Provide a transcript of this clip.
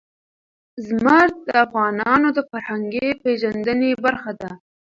زمرد د افغانانو د فرهنګي پیژندنې برخه ده.